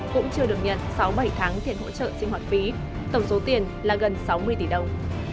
cũng chưa được nhận sáu bảy tháng tiền hỗ trợ sinh hoạt phí tổng số tiền là gần sáu mươi tỷ đồng